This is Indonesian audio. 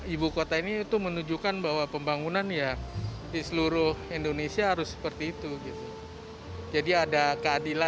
ibu kota ini itu menunjukkan bahwa pembangunan ya di seluruh indonesia harus seperti itu jadi ada keadilan